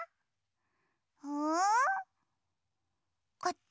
うん？こっち？